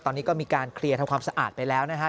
ตอนนี้ก็มีการเคลียร์ทำความสะอาดไปแล้วนะฮะ